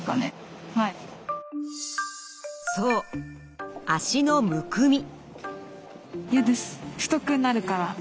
そう脚のむくみ。